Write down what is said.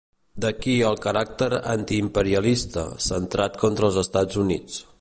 D'aquí el caràcter antiimperialista, centrat contra els Estats Units.